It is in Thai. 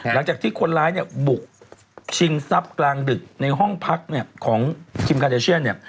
หลังจากที่คนร้ายบุกชิงทรัพย์กลางดึกในห้องพักของทิมการเจชเชียน